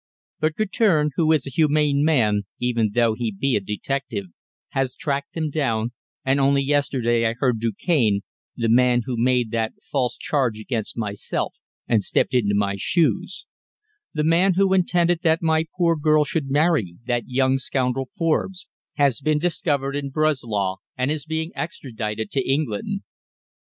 But Guertin, who is a humane man, even though he be a detective, has tracked them down, and only yesterday I heard Du Cane the man who made that false charge against myself, and stepped into my shoes; the man who intended that my poor girl should marry that young scoundrel Forbes has been discovered in Breslau, and is being extradited to England."